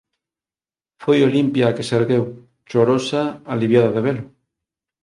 Foi Olimpia a que se ergueu, chorosa, aliviada de velo.